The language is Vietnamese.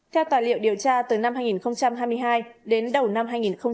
theo tòa liệu điều tra từ năm hai nghìn hai mươi hai đến đầu năm hai nghìn hai mươi ba